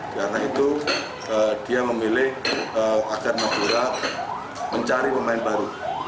karena itu dia memilih agar madura mencari pemain baru